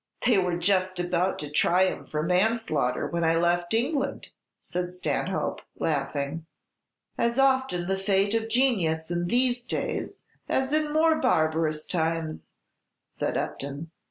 "They were just about to try him for manslaughter when I left England," said Stanhope, laughing. "As often the fate of genius in these days as in more barbarous times," said Upton.